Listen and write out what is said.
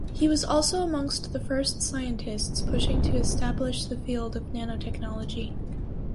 He was also amongst the first scientists pushing to establish the field of nanotechnology.